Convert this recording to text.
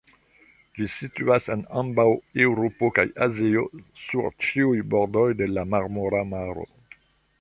Ĝi situas en ambaŭ Eŭropo kaj Azio sur ĉiuj bordoj de la Marmora Maro.